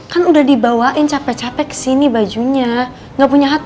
keluar sifat aslinya